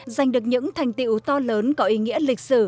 giành được những thành tiệu to lớn có ý nghĩa lịch sử